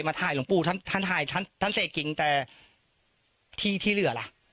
มาถ่ายหลวงปู่ท่านท่านท่านเสกจริงแต่ที่ที่เหลือล่ะ